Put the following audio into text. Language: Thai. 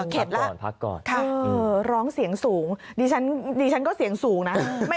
เข็ดแล้วพักก่อนร้องเสียงสูงดิฉันก็เสียงสูงนะ